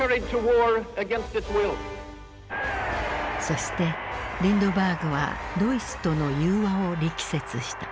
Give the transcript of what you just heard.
そしてリンドバーグはドイツとの宥和を力説した。